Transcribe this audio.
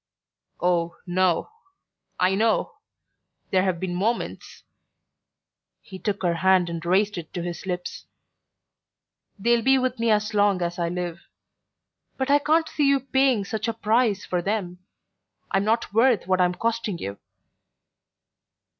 "Oh, no! I know...There've been moments..." He took her hand and raised it to his lips. "They'll be with me as long as I live. But I can't see you paying such a price for them. I'm not worth what I'm costing you."